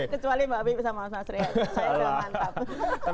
kecuali mbak abi sama mas masri aja saya sudah mantap